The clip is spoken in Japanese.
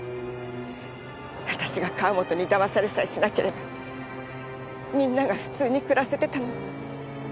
私が川本にだまされさえしなければみんなが普通に暮らせてたのに。